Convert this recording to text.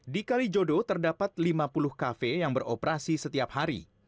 di kalijodo terdapat lima puluh kafe yang beroperasi setiap hari